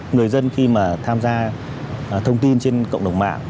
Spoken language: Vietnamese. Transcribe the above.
người dân khi mà tham gia thông tin trên cộng đồng mạng